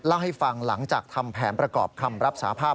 เล่าให้ฟังหลังจากทำแผนประกอบคำรับสาภาพ